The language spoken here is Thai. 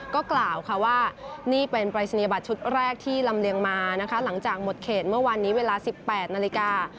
ก็กล่าวค่ะว่านี่เป็นปรายศนียบัตรชุดแรกที่ลำเลียงมานะคะหลังจากหมดเขตเมื่อวานนี้เวลา๑๘นาฬิกา